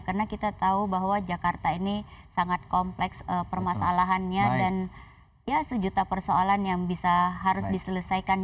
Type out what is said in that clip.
karena kita tahu bahwa jakarta ini sangat kompleks permasalahannya dan ya sejuta persoalan yang bisa harus diselesaikan